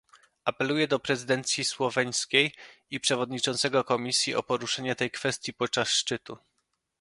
Apeluję do prezydencji słoweńskiej i przewodniczącego Komisji o poruszenie tej kwestii podczas szczytu